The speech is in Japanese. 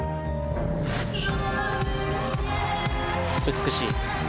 美しい。